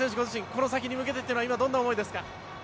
この先に向けてというのは今どんな思いですか？